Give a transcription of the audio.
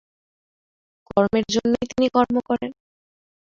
কর্মের জন্যই তিনি কর্ম করেন।